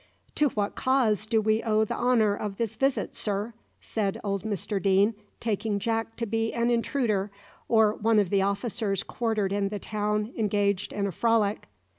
"To what cause do we owe the honour of this visit, sir?" said old Mr Deane, taking Jack to be an intruder, or one of the officers quartered in the town engaged in a frolic.